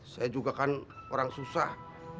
saya juga kan orang susah